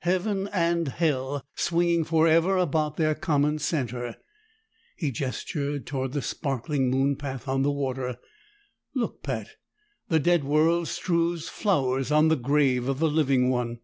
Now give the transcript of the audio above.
Heaven and Hell swinging forever about their common center!" He gestured toward the sparkling moon path on the water. "Look, Pat! The dead world strews flowers on the grave of the living one!"